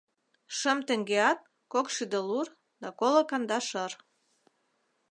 Шым теҥгеат кок шӱдылур да коло кандашыр.